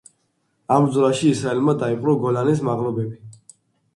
ამ ბრძოლაში ისრაელმა დაიპყრო გოლანის მაღლობები.